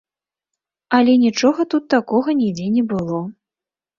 Але нічога тут такога нідзе не было.